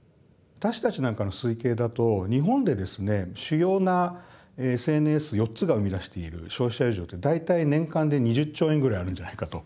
私たちなんかの推計だと日本でですね主要なＳＮＳ４つが生み出している消費者余剰というのは大体年間で２０兆円ぐらいあるんじゃないかと。